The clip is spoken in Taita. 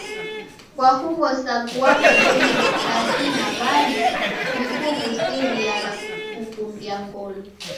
Kwa huw'o sagua kubonya kazi na w'andu w'ekuw'usiria na kukukumbia ngolo